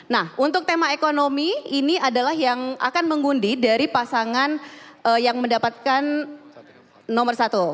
nah untuk tema ekonomi ini adalah yang akan mengundi dari pasangan yang mendapatkan nomor satu